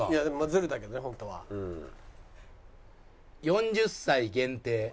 ４０歳限定。